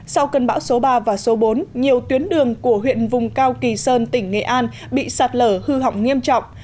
sau cơn bão số ba và số bốn nhiều tuyến đường của huyện vùng cao kỳ sơn tỉnh nghệ an bị sạt lở hư hỏng nghiêm trọng